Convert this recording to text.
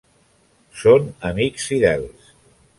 Són amics fidels.